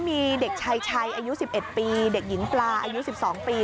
มีเด็กชายชัยอายุ๑๑ปีเด็กหญิงปลาอายุ๑๒ปี